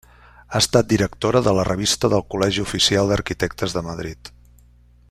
Ha estat directora de la Revista del Col·legi Oficial d'Arquitectes de Madrid.